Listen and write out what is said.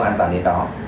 ăn vào đến đó